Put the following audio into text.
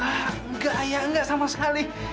wah nggak ayah nggak sama sekali